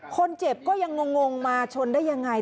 คนเจ็บก็ยังงงมาชนได้ยังไง